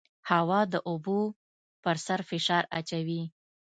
هوا د اوبو پر سر فشار اچوي.